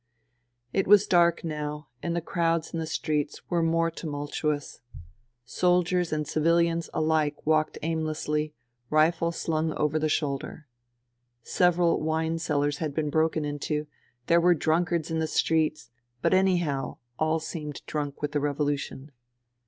It was dark now and the crowds in the streets were more tumultuous. Soldiers and civihans alike walked aimlessly, rifle slung over the shoulder. Several wine cellars had been broken into ; there were drunkards in the streets ; but anyhow, all seemed drunk with the revolution.